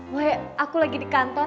we aku lagi di kantor